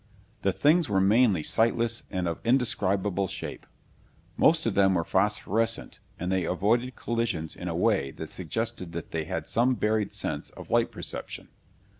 The things were mainly sightless and of indescribable shape. Most of them were phosphorescent, and they avoided collisions in a way that suggested that they had some buried sense of light perception.